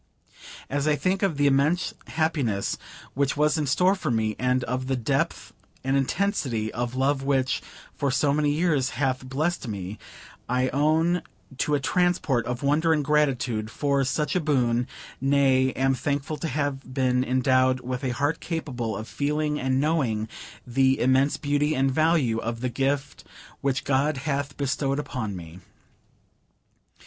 As I think of the immense happiness which was in store for me, and of the depth and intensity of that love which, for so many years, hath blessed me, I own to a transport of wonder and gratitude for such a boon nay, am thankful to have been endowed with a heart capable of feeling and knowing the immense beauty and value of the gift which God hath bestowed upon me.